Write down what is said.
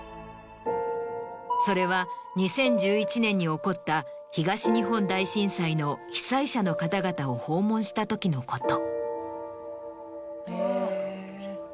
それは２０１１年に起こった東日本大震災の被災者の方々を訪問したときのこと。